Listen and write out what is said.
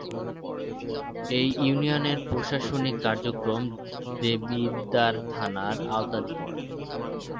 এ ইউনিয়নের প্রশাসনিক কার্যক্রম দেবিদ্বার থানার আওতাধীন।